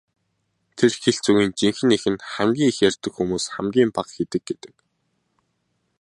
Тэр хэлц үгийн жинхэнэ эх нь "хамгийн их ярьдаг хүмүүс хамгийн бага хийдэг" гэдэг.